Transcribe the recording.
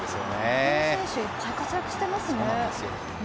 日本人選手いっぱい活躍してますね。